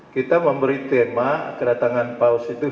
kita memberi tema kedatangan paus itu